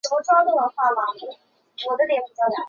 扶余郡是古百济国的首都。